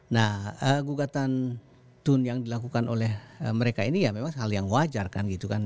nah gugatan tun yang dilakukan oleh mereka ini ya memang hal yang wajar kan gitu kan